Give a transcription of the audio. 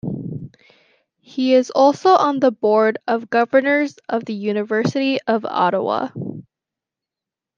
He is also on the board of governors of the University of Ottawa.